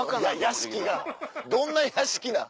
屋敷がどんな屋敷なん？